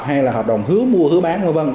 hay là hợp đồng hứa mua hứa bán